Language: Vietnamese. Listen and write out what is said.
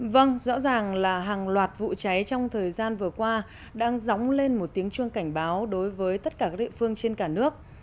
vâng rõ ràng là hàng loạt vụ cháy trong thời gian vừa qua đang dóng lên một tiếng chuông cảnh báo đối với tất cả các địa phương trên cả nước